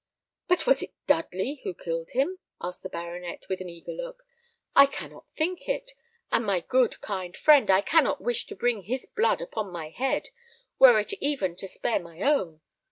"But was it Dudley who killed him?" asked the baronet, with an eager look. "I cannot think it; and my good, kind friend, I cannot wish to bring his blood upon my head, were it even to spare my own.